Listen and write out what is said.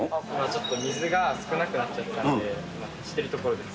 ちょっと水が少なくなっちゃったんで足しているところです。